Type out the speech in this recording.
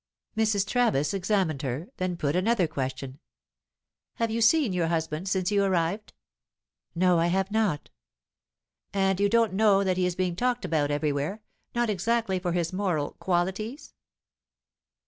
Mrs. Travis examined her; then put another question. "Have you seen your husband since you arrived?" "No, I have not." "And you don't know that he is being talked about everywhere not exactly for his moral qualities?"